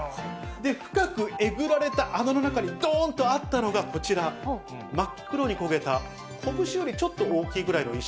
で、深くえぐられた穴の中にどーんとあったのが、こちら、真っ黒に焦げた、拳よりちょっと大きいくらいの石。